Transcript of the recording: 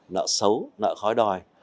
nợ xấu nợ khói đòi